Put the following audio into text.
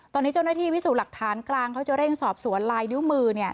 ตอนนี้เจ้าหน้าที่พิสูจน์หลักฐานกลางเขาจะเร่งสอบสวนลายนิ้วมือ